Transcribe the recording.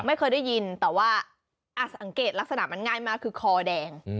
ไม่เคยได้ยินแต่ว่าสังเกตลักษณะมันง่ายมากคือคอแดง